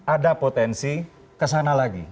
ada potensi kesana lagi